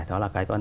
đó là cái